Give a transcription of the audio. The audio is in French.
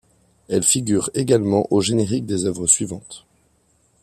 Elle figure également au générique des œuvres suivantes.